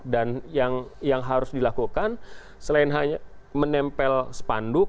dan yang harus dilakukan selain hanya menempel sepanduk